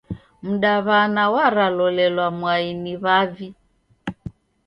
Mdaw'ana waralolelwa mwai ni w'avi.